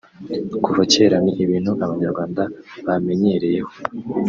kuva kera ni ibintu abanyarwanda bamenyereyeho